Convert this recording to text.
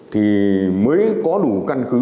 thì mới có đủ căn cứ